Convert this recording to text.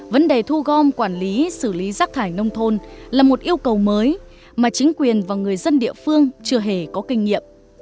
vấn đề thu gom quản lý xử lý rác thải nông thôn là một yêu cầu mới mà chính quyền và người dân địa phương chưa hề có kinh nghiệm